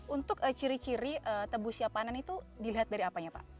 untuk ciri ciri tebu siap panen itu dilihat dari apanya pak